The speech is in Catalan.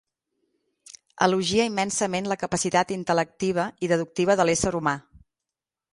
Elogia immensament la capacitat intel·lectiva i deductiva de l'ésser humà.